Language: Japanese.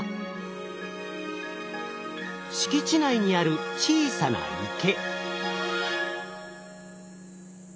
敷地内にある小さな池。